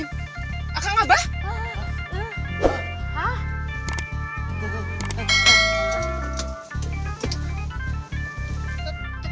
tuh tuh tuh